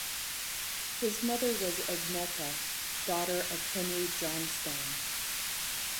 His mother was Agneta, daughter of Henry Johnstone.